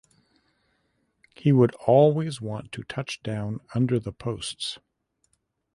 He would always want to touch down under the posts.